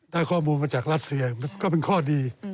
ได้ข้อมูลมาจากรัสเซียก็เป็นข้อดี